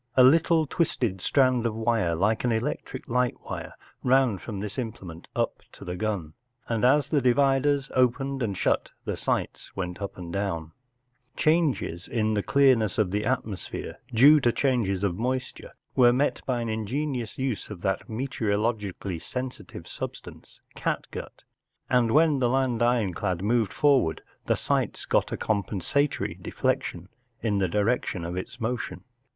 A little twisted strand of wire like an electric light wire ran from this imple¬ ment up to the gun, and as the dividers opened and shut the sights went up or down* Changes in the clearness of the atmosphere, due to changes of moisture, were met by an ingenious use of that meteorologically sen¬ sitive substance, catgut, and when the land ironclad moved forward the sights got a com¬ pensatory deflection in the direction of its motion.